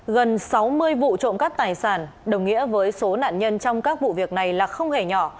gần sáu mươi vụ trộm cắp tài sản đồng nghĩa với số nạn nhân trong các vụ việc này là không hề nhỏ